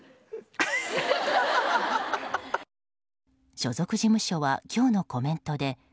所属事務所は今日のコメントで。